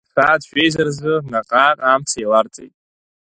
Асааҭ жәеиза рзы наҟ-ааҟ амца еиларҵеит.